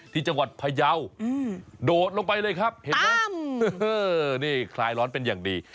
ที่จังหวัดพยาวโดดลงไปเลยครับเห็นไหมนี่คลายร้อนเป็นอย่างดี